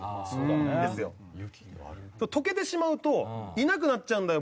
「溶けてしまうといなくなっちゃうんだよ